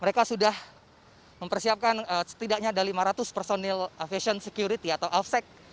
mereka sudah mempersiapkan setidaknya ada lima ratus personil fashion security atau offsec